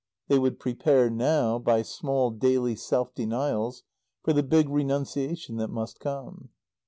They would prepare now, by small daily self denials, for the big renunciation that must come.